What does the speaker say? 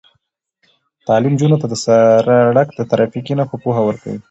تعلیم نجونو ته د سړک د ترافیکي نښو پوهه ورکوي.